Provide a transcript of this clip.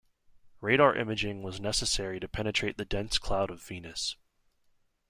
Radar imaging was necessary to penetrate the dense cloud of Venus.